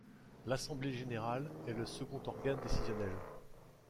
L'assemblée générale est le second organe décisionnel.